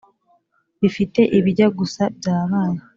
bifite ibijya gusa byabaye.